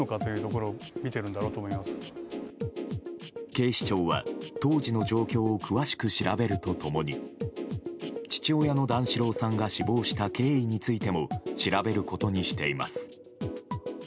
警視庁は当時の状況を詳しく調べると共に父親の段四郎さんが死亡した経緯についても調べることにしています。